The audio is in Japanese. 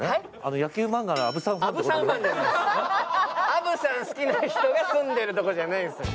あぶさんが好きな人が住んでるわけじゃないんです。